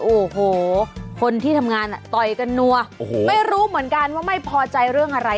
โอ้โหคนที่ทำงานอ่ะต่อยกันนัวโอ้โหไม่รู้เหมือนกันว่าไม่พอใจเรื่องอะไร